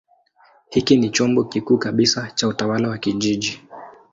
Hiki ni chombo kikuu kabisa cha utawala wa kijiji.